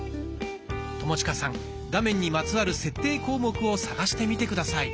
友近さん画面にまつわる設定項目を探してみて下さい。